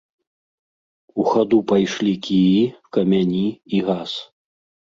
У хаду пайшлі кіі, камяні і газ.